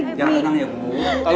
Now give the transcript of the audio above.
jangan tenang ya bu